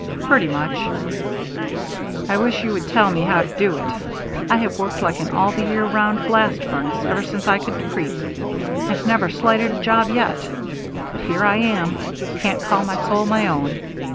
"Pretty much." "I wish you would tell me how to do it. I have worked like an all the year round blast furnace ever since I could creep, and never slighted a job yet, but here I am can't call my soul my own.